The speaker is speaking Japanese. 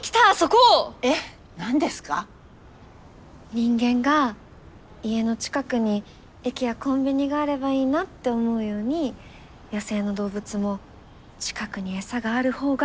人間が家の近くに駅やコンビニがあればいいなって思うように野生の動物も近くに餌があるほうが快適なんです。